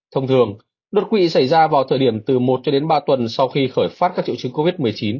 thông thường đột quỵ xảy ra vào thời điểm từ một cho đến ba tuần sau khi khởi phát các triệu chứng covid một mươi chín